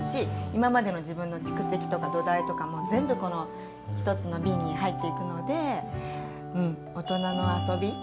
今までの自分の蓄積とか土台とかも全部この一つの瓶に入っていくのでうん大人の遊び。